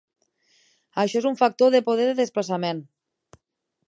Això és un "factor de poder de desplaçament".